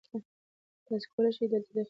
تاسي کولای شئ دلته خیمه ووهئ.